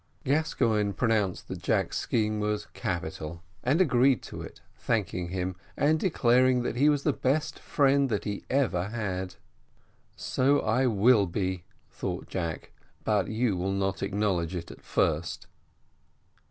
Gascoigne pronounced that Jack's scheme was capital, and agreed to it, thanking him and declaring that he was the best friend that he ever had. "So I will be," thought Jack, "but you will not acknowledge it at first."